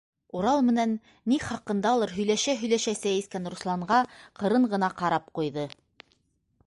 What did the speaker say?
Урал менән ни хаҡындалыр һөйләшә-һөйләшә сәй эскән Русланға ҡырын ғына ҡарап ҡуйҙы.